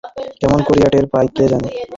কেমন করিয়া টের পায় কে জানে!